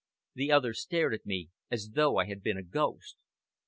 The other stared at me as though I had been a ghost.